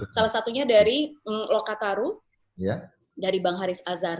salah satunya dari lokataru dari bang haris azhar